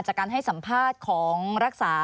มีความรู้สึกว่ามีความรู้สึกว่า